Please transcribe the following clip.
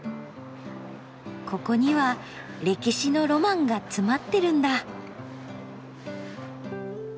ここには歴史のロマンが詰まってるんだ。